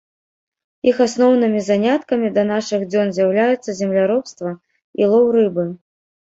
Іх асноўнымі заняткамі да нашых дзён з'яўляюцца земляробства і лоў рыбы.